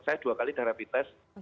saya dua kali ada rapid test